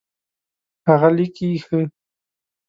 هغه لیکي ښه